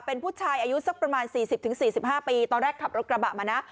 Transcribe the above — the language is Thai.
เป็นผู้ชายอายุสักประมาณ๔๐๔๕ปีตอนแรกขับรถกระบะมานะ